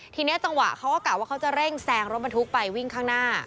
ทีนี้จังหวะเขาก็กะว่าเขาจะเร่งแซงรถบรรทุกไปวิ่งข้างหน้า